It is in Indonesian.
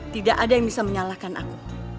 tidak ada yang bisa menyalahkan aku